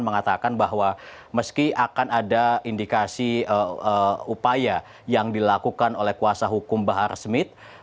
mengatakan bahwa meski akan ada indikasi upaya yang dilakukan oleh kuasa hukum bahar smith